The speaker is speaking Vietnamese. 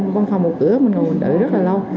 văn phòng một cửa mình ngồi đợi rất là lâu